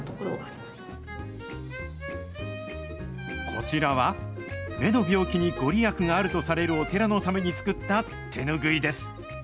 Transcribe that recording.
こちらは、目の病気に御利益があるとされるお寺のために作った手拭いです。